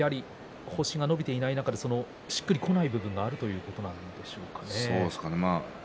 星が伸びていない中でしっくりしない部分があるということですかね。